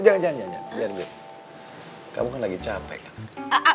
jangan jangan kamu kan lagi capek